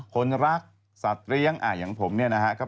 คนรักสัตว์เลี้ยงอย่างผมเนี่ยนะครับ